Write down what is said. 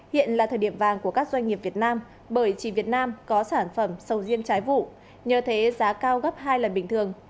hiện là thời điểm vàng của các doanh nghiệp việt nam bởi chỉ việt nam có sản phẩm sầu riêng trái vụ nhờ thế giá cao gấp hai lần bình thường